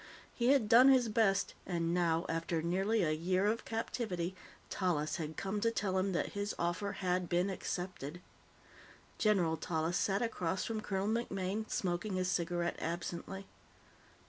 He had done his best, and now, after nearly a year of captivity, Tallis had come to tell him that his offer had been accepted. General Tallis sat across from Colonel MacMaine, smoking his cigarette absently.